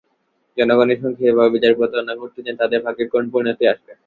জনগণের সঙ্গে এভাবে যারা প্রতারণা করতে চান, তাঁদের ভাগ্যে করুণ পরিণতি আসবে।